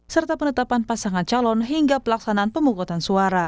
serta penetapan pasangan calon hingga pelaksanaan pemungkutan suara